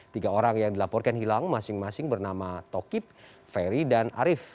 tiga orang yang dilaporkan hilang masing masing bernama tokip ferry dan arief